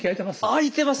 空いてます。